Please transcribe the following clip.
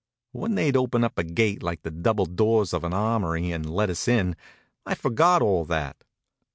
But when they'd opened up a gate like the double doors of an armory, and let us in, I forgot all that.